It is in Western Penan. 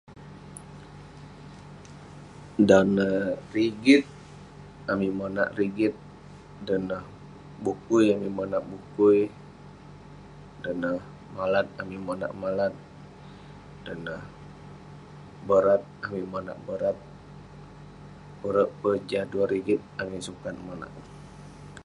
Dan neh rigit, amik monak rigit. Dan neh bukui, amik monak bukui. Dan neh malat, amik monak malat. Dan neh borat, amik monak borat. Kurek peh jah duah rigit amik sukat monak.